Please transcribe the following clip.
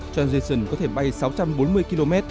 transition có thể bay sáu trăm bốn mươi km